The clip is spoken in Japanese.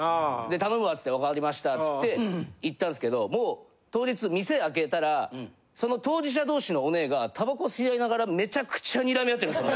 「頼むわ」っつって「分かりました」っつって行ったんですけどもう当日店開けたらその当事者同士のオネエがタバコ吸い合いながらめちゃくちゃにらみ合ってるんですよ。